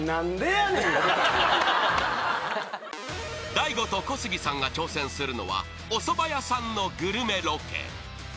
［大悟と小杉さんが挑戦するのはおそば屋さんのグルメロケ］